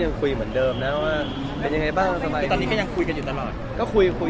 อ๋อน้องมีหลายคน